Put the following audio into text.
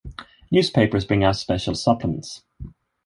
Newspapers bring out special supplements.